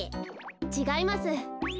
ちがいます。